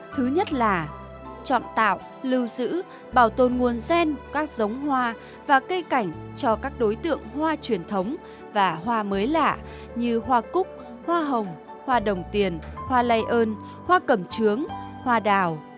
thứ nhất là chọn tạo lưu giữ bảo tồn nguồn gen các giống hoa và cây cảnh cho các đối tượng hoa truyền thống và hoa mới lạ như hoa cúc hoa hồng hoa đồng tiền hoa lây ơn hoa cẩm trướng hoa đào